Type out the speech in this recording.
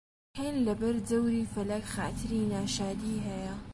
هێند لەبەر جەوری فەلەک خاتری ناشادی هەیە